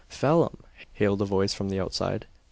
"Phelim!" hailed a voice from the outside.